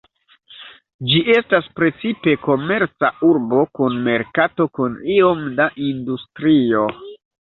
Ĝi estas precipe komerca urbo kun merkato kun iom da industrio.